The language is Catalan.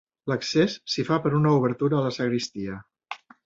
L'accés s'hi fa per una obertura a la sagristia.